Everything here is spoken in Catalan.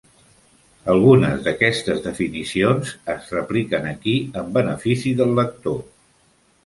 Algunes d'aquestes definicions es repliquen aquí en benefici del lector.